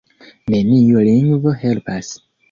Neniu lingvo helpas.